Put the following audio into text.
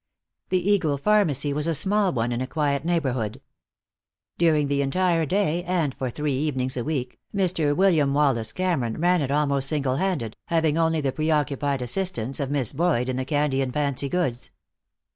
The Eagle Pharmacy was a small one in a quiet neighborhood. During the entire day, and for three evenings a week, Mr. William Wallace Cameron ran it almost single handed, having only the preoccupied assistance of Miss Boyd in the candy and fancy goods.